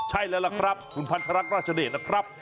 ใช่แล้วล่ะครับคุณพันธรรคราชเดชนะครับ